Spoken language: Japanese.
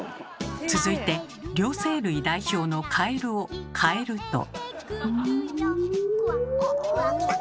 続いて両生類代表のカエルをかえると。